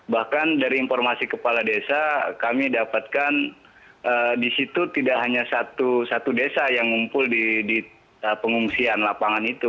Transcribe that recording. bahkan dari informasi kepala desa kami dapatkan di situ tidak hanya satu desa yang ngumpul di pengungsian lapangan itu